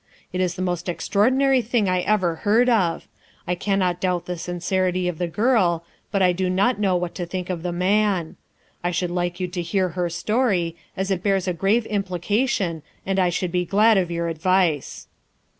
It is the most extraordinary thing I ever heard of. I cannot doubt the sincerity of the girl, but I do not know what to think of the man. I should like you to hear her story, as it bears a grave implication and I should be glad of your advice."